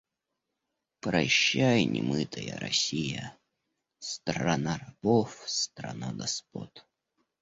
Прощай, немытая Россия, Страна рабов, страна господ